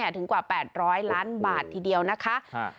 ถึงกว่า๘๐๐ล้านบาททีเดียวนะคะ